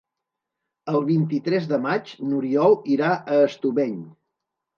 El vint-i-tres de maig n'Oriol irà a Estubeny.